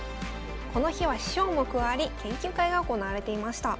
この日は師匠も加わり研究会が行われていました。